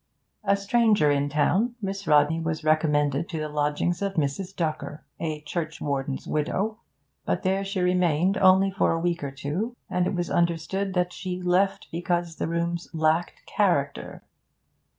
A stranger in the town, Miss Rodney was recommended to the lodgings of Mrs. Ducker, a churchwarden's widow; but there she remained only for a week or two, and it was understood that she left because the rooms 'lacked character.'